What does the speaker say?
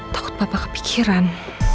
takut papa kepikiran